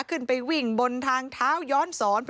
ขึ้นไปวิ่งบนทางเท้าย้อนสอน